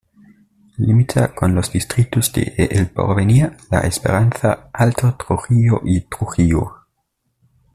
Limita con los distritos de El Porvenir, La Esperanza, Alto Trujillo y Trujillo.